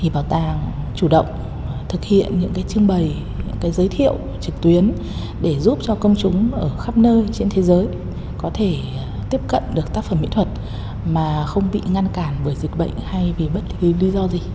bảo tàng chủ động thực hiện những trưng bày những giới thiệu trực tuyến để giúp cho công chúng ở khắp nơi trên thế giới có thể tiếp cận được tác phẩm mỹ thuật mà không bị ngăn cản bởi dịch bệnh hay vì bất cứ lý do gì